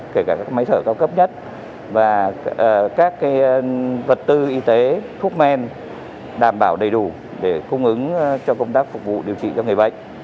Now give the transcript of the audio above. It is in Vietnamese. kể cả các máy thở cao cấp nhất và các vật tư y tế thuốc men đảm bảo đầy đủ để cung ứng cho công tác phục vụ điều trị cho người bệnh